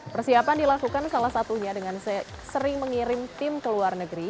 persiapan dilakukan salah satunya dengan sering mengirim tim ke luar negeri